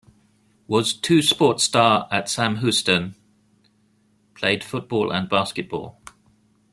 Was two sport star at Sam Houston played football and basketball.